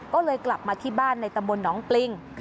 ก็เลยกลับมาที่บ้านในตำบลหนองปริง